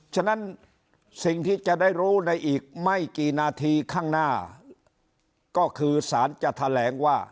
ฉะนั้นสิ่งที่จะได้รู้ในอีกไม่กี่นาทีข้างหน้าก็คือสารจะแถลงว่า